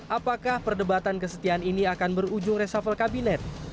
apakah perdebatan kesetiaan ini akan berujung reshuffle kabinet